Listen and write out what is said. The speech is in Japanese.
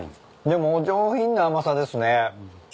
でもお上品な甘さですね。